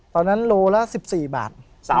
ตอนนั้นโลแล้ว๑๔บาท